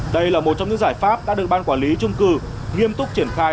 đây là một trong những giải pháp đã được ban quản lý trung cư nghiêm túc triển khai